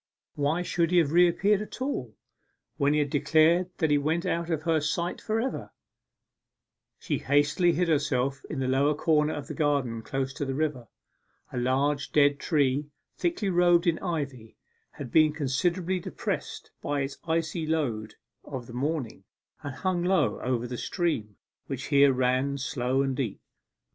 Why should he have reappeared at all, when he had declared that he went out of her sight for ever? She hastily hid herself, in the lowest corner of the garden close to the river. A large dead tree, thickly robed in ivy, had been considerably depressed by its icy load of the morning, and hung low over the stream, which here ran slow and deep.